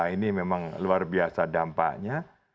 ini memang luar biasa dampaknya